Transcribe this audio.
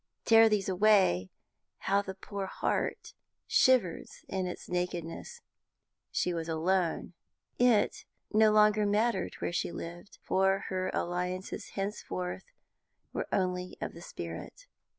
Tear these away, how the poor heart shivers in its nakedness. She was alone. It no longer mattered where she lived, for her alliances henceforth were only of the spirit.